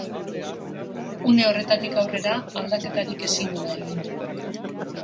Une horretatik aurrera aldaketarik ezingo da egin.